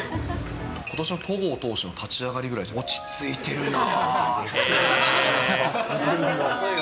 ことしの戸郷投手の立ち上がりぐらい落ち着いてるなあ。